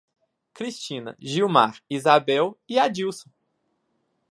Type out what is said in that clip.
Cristina, Gilmar, Izabel e Adílson